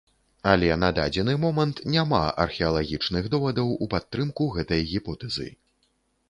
Але на дадзены момант няма археалагічных довадаў у падтрымку гэтай гіпотэзы.